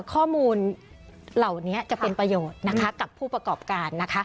ข้อมูลเหล่านี้จะเป็นประโยชน์นะคะกับผู้ประกอบการนะคะ